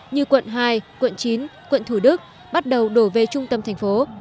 như quận hai quận chín quận thủ đức bắt đầu đổ về trung tâm thành phố